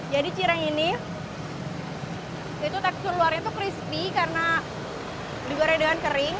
jadi cireng ini itu tekstur luarnya itu crispy karena digoreng dengan kering